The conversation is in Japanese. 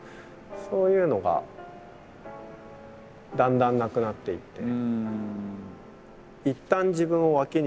そういうのがだんだんなくなっていって。